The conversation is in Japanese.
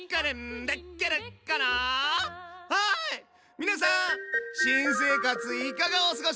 皆さん新生活いかがお過ごし？